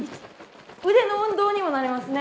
腕の運動にもなりますね。